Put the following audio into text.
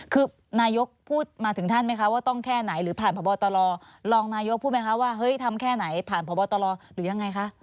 คือนายกพูดมาถึงท่านไหมคะว่าต้องแค่ไหนหรือผ่านพบตรรองนายกพูดไหมคะว่าเฮ้ยทำแค่ไหนผ่านพบตรหรือยังไงคะ